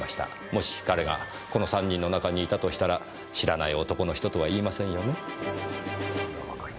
もし彼がこの３人の中にいたとしたら知らない男の人とは言いませんよね？